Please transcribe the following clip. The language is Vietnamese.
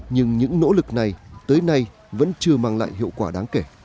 nhưng những nỗ lực này tới nay vẫn chưa mang lại hiệu quả đáng kể